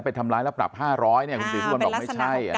ไปทำล้ายแล้วปรับห้าร้อยเนี้ยคุณศรีสุวรรณบอกไม่ใช่อ่า